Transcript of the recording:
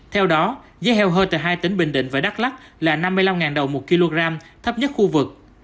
theo đó giá heo hơi tại hai tỉnh bình định và đắk lắc là năm mươi năm đồng một kg thấp nhất khu vực